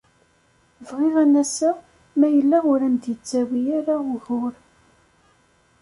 Bɣiɣ ad n-aseɣ ma yella ur am-d-yettawi ara ugur.